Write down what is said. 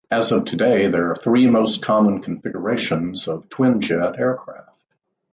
As of today, there are three most common configurations of twinjet aircraft.